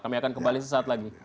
kami akan kembali sesaat lagi